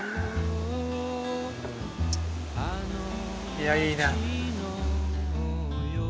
いやいいな。